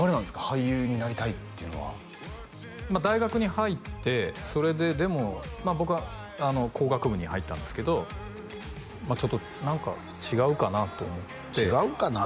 俳優になりたいっていうのは大学に入ってそれででも僕は工学部に入ったんですけどまあちょっと何か違うかなと思って違うかな？